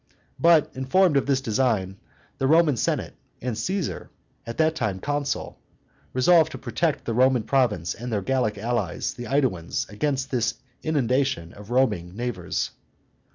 Being informed of this design, the Roman Senate and Caesar, at that time consul, resolved to protect the Roman province and their Gallic allies, the AEduans, against this inundation of roving neighbors.